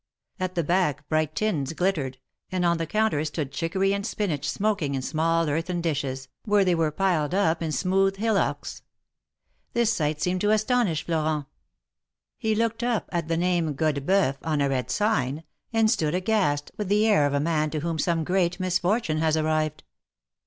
At the back bright tins glittered, and on the counter stood chiccory and spinach smoking in small earthen dishes, where they were piled up in smooth 42 THE MARKETS OP PARIS. hillocks. This sight seemed to astonish Florent; he looked up at the name Godebceuf, on a red sign^ and stood aghast, with the air of a man to whom some great misfortune has arrived.